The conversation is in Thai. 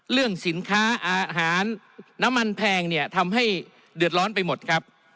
เรื่องสินค้าอาหารน้ำมันแพงเนี่ยทำให้เดือดร้อนไปหมดครับ